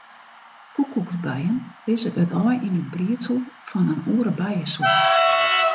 Koekoeksbijen lizze it aai yn it briedsel fan in oare bijesoart.